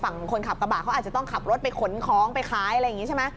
ฝั่งคนขับกระบะเค้าอาจจะต้องขับรถไปขนของไปดักขายอะไรแบบนี้